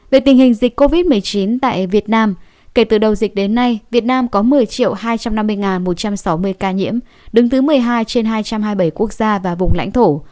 về tình hình dịch covid một mươi chín tại việt nam kể từ đầu dịch đến nay việt nam có một mươi hai trăm năm mươi một trăm sáu mươi ca nhiễm đứng thứ một mươi hai trên hai trăm hai mươi bảy quốc gia và vùng lãnh thổ